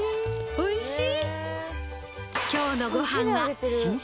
おいしい！